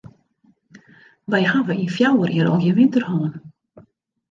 Wy hawwe yn fjouwer jier al gjin winter hân.